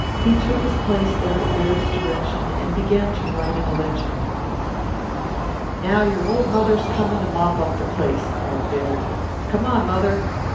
He took his place there at Baird's direction and began to write in a ledger. "Now your old mother's coming to mop up the place," called Baird. "Come on, Mother!